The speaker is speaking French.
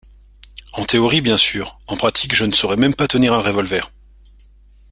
En théorie bien sûr, en pratique je ne saurais même pas tenir un revolver!